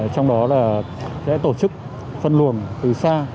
trong đó là sẽ tổ chức phân luồng từ xa